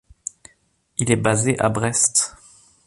Il est basé à Brest.